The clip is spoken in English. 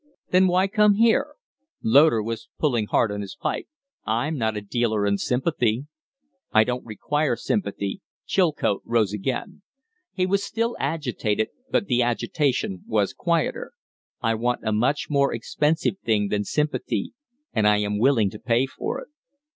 "Then why come here?" Loder was pulling hard on his pipe. "I'm not a dealer in sympathy." "I don't require sympathy." Chilcote rose again. He was still agitated, but the agitation was quieter. "I want a much more expensive thing than sympathy and I am willing to pay for it."